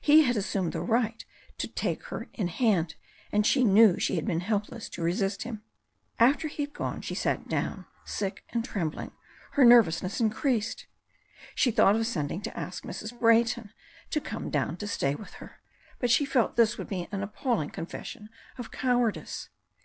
He had assumed the right to take her in hand, and she knew she had been helpless to resist him. After he had gone she sat down, sick and trembling, her nervousness increased. She thought of send ing to ask Mrs. Brayton to come down to stay with her. But she felt this would be an appalling confession of coward ice.